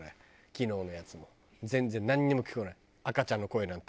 昨日のやつも全然なんにも聞こえない赤ちゃんの声なんて。